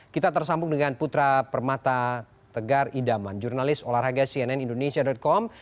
kita tersambung dengan putra permata tegar idaman jurnalis olahraga cnn indonesia com